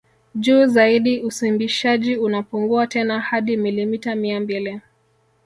Juu zaidi usimbishaji unapungua tena hadi milimita mia mbili